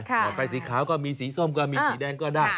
ต่อไปสีขาวก็มีสีส้มก็มีสีแดงก็ได้